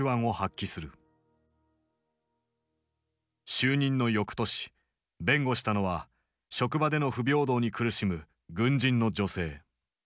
就任のよくとし弁護したのは職場での不平等に苦しむ軍人の女性。